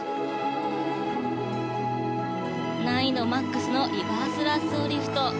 難易度マックスのリバースラッソーリフト。